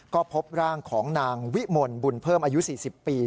ก็พบร่างของนางวิมลบุญเพิ่มอายุ๔๐ปี